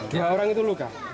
dua orang itu luka